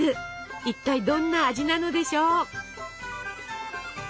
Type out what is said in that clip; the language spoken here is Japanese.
いったいどんな味なのでしょう。